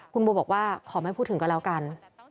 คุณโบบอกว่าขอไม่พูดถึงก็แล้วกัน